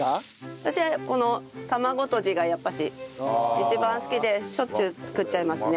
私はこの卵とじがやっぱり一番好きでしょっちゅう作っちゃいますね